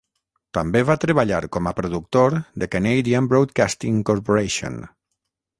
També va treballar com a productor de Canadian Broadcasting Corporation.